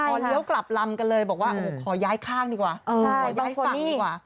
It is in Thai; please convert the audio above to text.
พอเลี้ยวกลับลำกันเลยบอกว่าโอ้โหขอย้ายข้างดีกว่าขอย้ายฝั่งดีกว่า